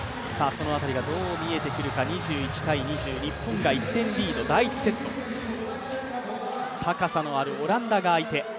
その辺り、どう見えてくるか２０−２１、日本が１点リード、第１セット、高さのあるオランダがあいて。